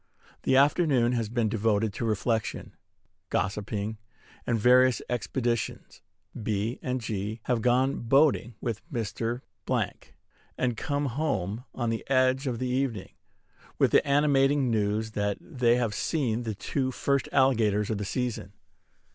The afternoon has been devoted to reflection, gossiping, and various expeditions. B. and G. have gone boating with Mr. ; and come home, on the edge of the evening, with the animating news that they have seen the two first alligators of the season.